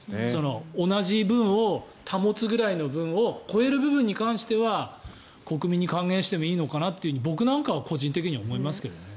同じ分を保つくらいの分を超える部分に関しては国民に還元してもいいのかなって僕なんかは個人的に思いますけどね。